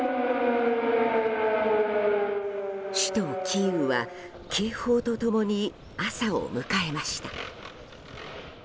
首都キーウは警報と共に朝を迎えました。